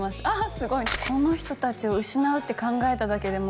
すごいこの人達を失うって考えただけでもう